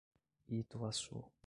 Ituaçu